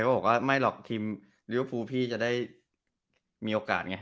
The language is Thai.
เพราะว่าไม่หรอกทีมรีวฟูพี่จะได้มีโอกาสไง